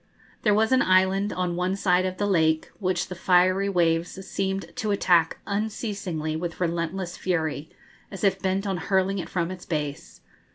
There was an island on one side of the lake, which the fiery waves seemed to attack unceasingly with relentless fury, as if bent on hurling it from its base.